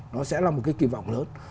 nó sẽ là một cái kỳ vọng lớn